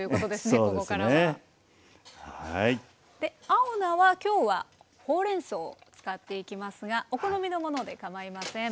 青菜は今日はほうれんそうを使っていきますがお好みのものでかまいません。